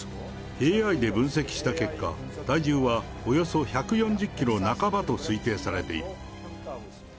ＡＩで分析した結果、体重はおよそ１４０キロ半ばと推定されている。